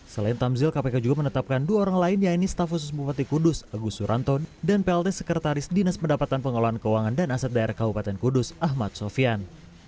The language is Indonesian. selain tamzil kpk juga menetapkan dua orang lain yaitu staf khusus bupati kudus agus suranton dan plt sekretaris dinas pendapatan pengelolaan keuangan dan aset daerah kabupaten kudus ahmad sofian